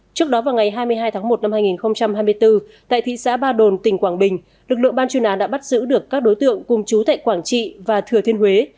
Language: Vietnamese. trước đó vào ngày hai mươi hai tháng một năm hai nghìn hai mươi bốn tại thị xã ba đồn tỉnh quảng bình lực lượng ban chuyên án đã bắt giữ được các đối tượng cùng chú tại quảng trị và thừa thiên huế